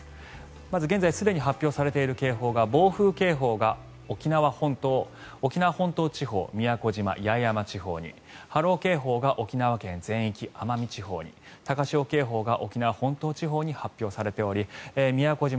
まず現在すでに発表されている警報が暴風警報が沖縄本島地方宮古島、八重山地方に波浪警報が沖縄県全域奄美地方に高潮警報が、沖縄本島地方に発表されており宮古島